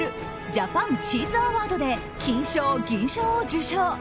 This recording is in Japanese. ジャパンチーズアワードで金賞・銀賞を受賞。